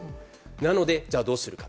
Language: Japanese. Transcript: なので、じゃあどうするか。